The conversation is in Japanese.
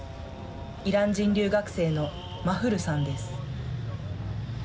イラン人留学生のマフルさんです。